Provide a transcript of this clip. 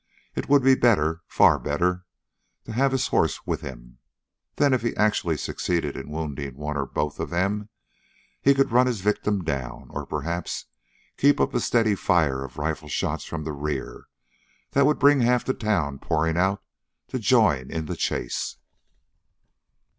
It would be better, far better, to have his horse with him. Then, if he actually succeeded in wounding one or both of them, he could run his victim down, or, perhaps, keep up a steady fire of rifle shots from the rear, that would bring half the town pouring out to join in the chase.